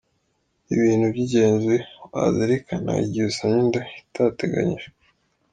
Ibintu by’ingezi wazirikana igihe usamye inda itateganyijwe:.